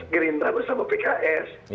gerindra bersama pks